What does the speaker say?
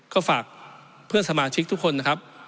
ก็ฝากเพื่อนสมาชิกทุกคนนะครับ